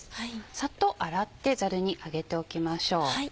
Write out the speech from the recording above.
サッと洗ってザルに上げておきましょう。